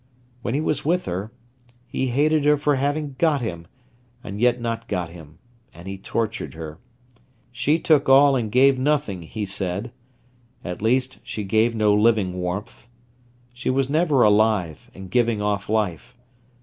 When he was with her, he hated her for having got him, and yet not got him, and he tortured her. She took all and gave nothing, he said. At least, she gave no living warmth. She was never alive, and giving off life.